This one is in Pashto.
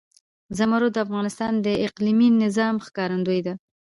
زمرد د افغانستان د اقلیمي نظام ښکارندوی ده.